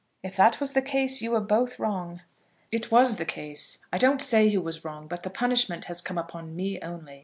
"If that was the case, you were both wrong." "It was the case. I don't say who was wrong, but the punishment has come upon me only.